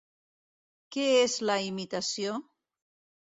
Què és la imitació?